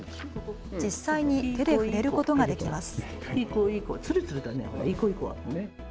実際に手で触れることができます。